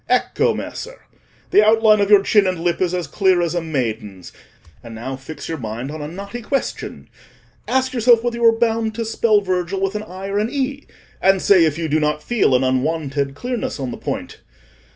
Ecco, Messer! the outline of your chin and lip is as clear as a maiden's; and now fix your mind on a knotty question—ask yourself whether you are bound to spell Virgil with an i or an e, and say if you do not feel an unwonted clearness on the point.